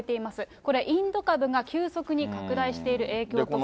これ、インド株が急速に拡大している影響とされています。